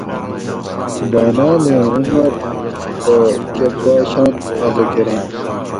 بانالیں عمر پا کہ باۤشان مزہ کریں